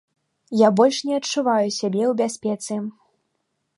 Я больш не адчуваю сябе ў бяспецы.